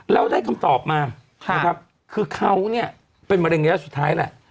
เราได้คำตอบมานะครับคือเขาเนี่ยเป็นมะเร็งระยะสุดท้ายแหละ